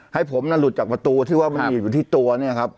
ให้ผมน่ะหลุดจากประตูที่ว่ามันหีบอยู่ที่ตัวเนี่ยครับ